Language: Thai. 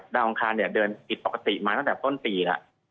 ดาวอังคารเนี่ยเดินปกติมาตั้งแต่ต้นปีล่ะ